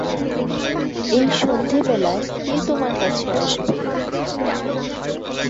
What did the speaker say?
এই সন্ধেবেলায় কে তোমার কাছে আসবে?